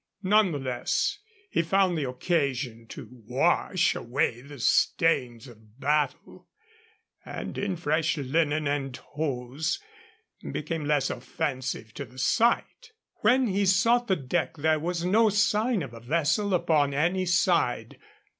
None the less, he found the occasion to wash away the stains of battle, and in fresh linen and hose became less offensive to the sight. When he sought the deck there was no sign of a vessel upon any side.